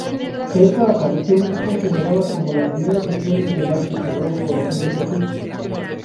Esta aparición es considerada como la primera visión medieval del Sagrado Corazón de Jesús.